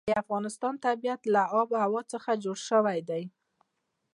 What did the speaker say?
د افغانستان طبیعت له آب وهوا څخه جوړ شوی دی.